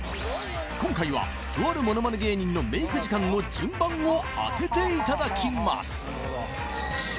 今回はとあるものまね芸人のメイク時間の順番を当てていただきます